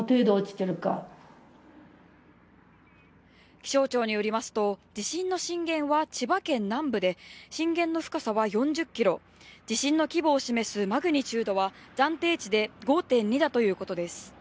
気象庁によりますと、地震の震源は千葉県南部で、震源の深さは４０キロ地震の規模を示すマグニチュードは暫定値で５．２だということです。